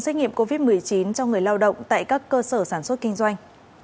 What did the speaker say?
xét nghiệm covid một mươi chín cho người lao động tại các cơ sở sản xuất kinh doanh